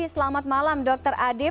selamat malam dr adib